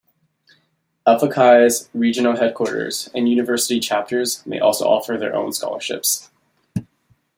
Alpha Chi's regional headquarters and university chapters may also offer their own scholarships.